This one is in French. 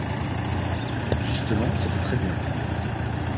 Justement, c’était très bien